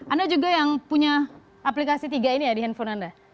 anda juga yang punya aplikasi tiga ini ya di handphone anda